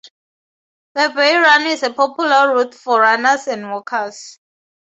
The Bay Run is a popular route for runners and walkers.